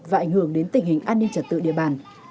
và ảnh hưởng đến tình hình an ninh trật tự địa bàn